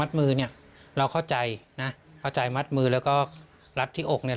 มือเนี่ยเราเข้าใจนะเข้าใจมัดมือแล้วก็รัดที่อกเนี่ย